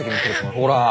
ほら。